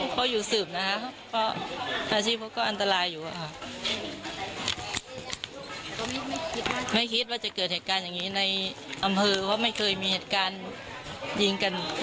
ก็เสียจริง